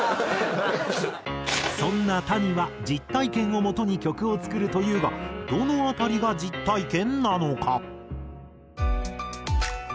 そんなＴａｎｉは実体験をもとに曲を作るというがどの辺りが実体験なのか？